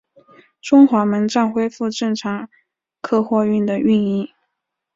中华门站恢复正常客货运的运营。